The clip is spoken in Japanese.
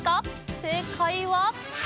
正解は。